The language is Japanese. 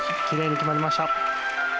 きれいに決まりました。